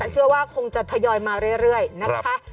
เชื่อว่าคงจะทยอยมาเรื่อยนะคะ